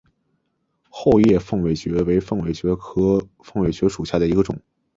厚叶凤尾蕨为凤尾蕨科凤尾蕨属下的一个种。